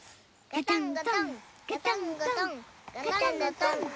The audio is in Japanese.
ガタンゴトンガタンゴトン。